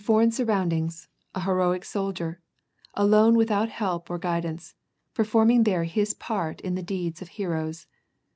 285 eign surronndings, a heroic soldier, alone without help or guid ance, performing there his part in the deeds of heroes.